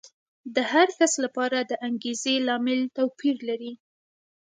د هر کس لپاره د انګېزې لامل توپیر لري.